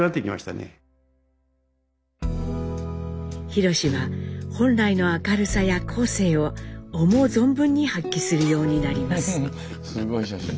弘史は本来の明るさや個性を思う存分に発揮するようになります。